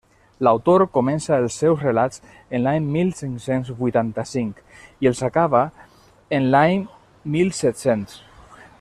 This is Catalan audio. L'autor comença els seus relats en l'any mil cinc-cents vuitanta-cinc i els acaba en l'any mil set-cents.